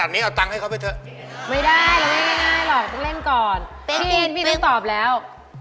อันนี้ถูกสุดค่ะก็ตายไม่แน่พี่อินพี่อินต้องตอบแล้ว